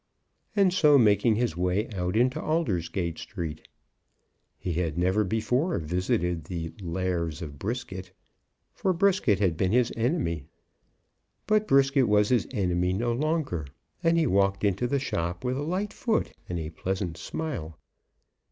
and so making his way out into Aldersgate Street. He had never before visited the Lares of Brisket, for Brisket had been his enemy. But Brisket was his enemy no longer, and he walked into the shop with a light foot and a pleasant smile.